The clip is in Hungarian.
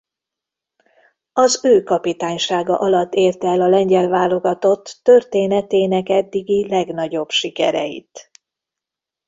Az ő kapitánysága alatt érte el a lengyel válogatott történetének eddigi legnagyobb sikereit.